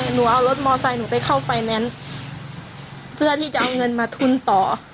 หนูเอารถมอไซค์หนูไปเข้าไฟแนนซ์เพื่อที่จะเอาเงินมาทุนต่อ